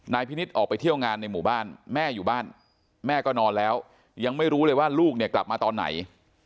พินิษฐ์ออกไปเที่ยวงานในหมู่บ้านแม่อยู่บ้านแม่ก็นอนแล้วยังไม่รู้เลยว่าลูกเนี่ยกลับมาตอนไหน